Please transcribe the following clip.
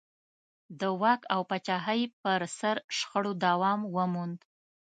د واک او پاچاهۍ پر سر شخړو دوام وموند.